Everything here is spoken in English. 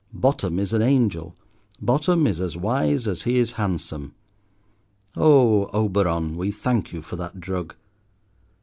Bottom is an angel, Bottom is as wise as he is handsome. Oh, Oberon, we thank you for that drug.